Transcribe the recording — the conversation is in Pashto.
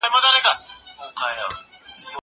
زه انځورونه نه رسم کوم؟!